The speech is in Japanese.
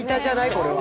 これは。